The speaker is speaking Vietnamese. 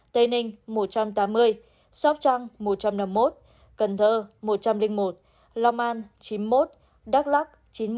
tây ninh một trăm tám mươi sóc trăng một trăm năm mươi một cần thơ một trăm linh một long an chín mươi một đắk lắc chín trăm chín mươi